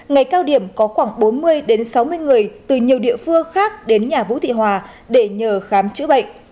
ngày cao điểm có khoảng bốn mươi sáu mươi người từ nhiều địa phương khác đến nhà vũ thị hòa để nhờ khám chữa bệnh